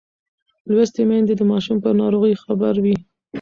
لوستې میندې د ماشوم پر ناروغۍ خبر وي.